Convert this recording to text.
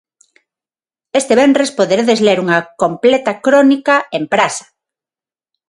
Este venres poderedes ler unha completa crónica en Praza.